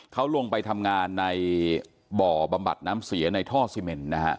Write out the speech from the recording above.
เขาลงไปทำงานในบ่อบำบัดน้ำเสียในท่อซีเมนนะฮะ